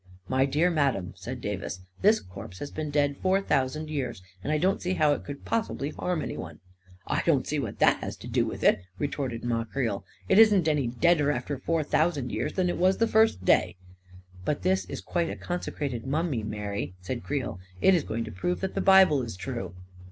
" My dear madam," said Davis, " this corpse has been dead four thousand years, and I don't see how it could possibly harm anyone !"" I don't see what that has to do with it," re torted Ma Creel. " It isn't any deader after four thousand years than it was the first day I "" But this is quite a consecrated mummy, Mary," said Creel. " It is going to prove that the Bible is true!"